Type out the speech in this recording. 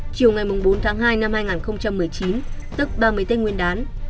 chiều ngày bốn tháng hai năm hai nghìn một mươi chín tức ba mươi tết nguyên đán